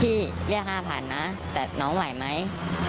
พี่เรียกห้าพันนะแต่น้องไหวไหม